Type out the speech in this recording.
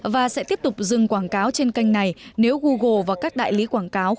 và sẽ tiếp tục dừng quảng cáo trên kênh này nếu google và các đại lý quảng cáo